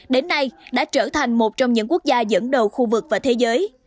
đến nay đã trở thành một trong những quốc gia dẫn đầu khu vực và thế giới